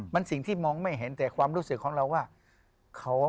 มันสิ่งที่มองไม่เห็นแต่ความรู้สึกของเราว่า